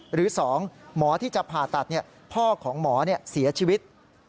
หรือ๒หมอที่จะผ่าตัดพ่อของหมอเสียชีวิต